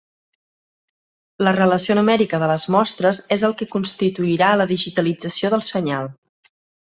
La relació numèrica de les mostres és el que constituirà la digitalització del senyal.